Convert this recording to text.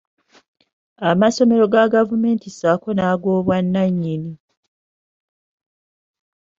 Amasomero aga gavumenti ssaako n’ago ag’obwannannyini.